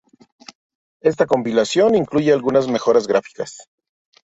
Esta compilación incluye algunas mejoras gráficas.